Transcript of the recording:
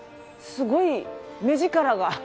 すごい目力が。